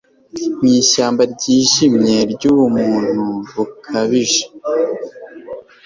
Mu ishyamba ryijimye ryubumuntu bukabije